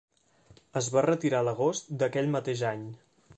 Es va retirar l'agost d'aquell mateix any.